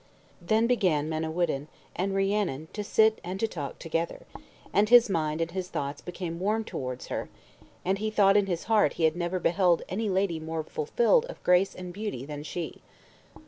Then began Manawyddan and Rhiannon to sit and to talk together; and his mind and his thoughts became warmed towards her, and he thought in his heart he had never beheld any lady more fulfilled of grace and beauty than she.